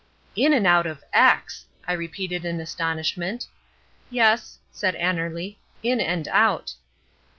"In and out of X," I repeated in astonishment. "Yes," said Annerly, "in and out."